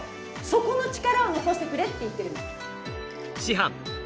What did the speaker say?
そこの力を残してくれって言ってるの。